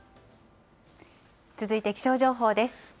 続いて気象情報です。